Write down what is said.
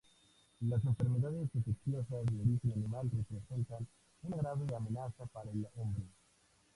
Las enfermedades infecciosas de origen animal representan una grave amenaza para el hombre.